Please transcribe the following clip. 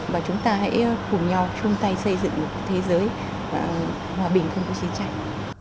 và chúng ta hãy cùng nhau chung tay xây dựng một thế giới hòa bình không có chiến tranh